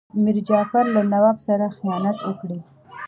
میر جعفر له نواب سره خیانت وکړ.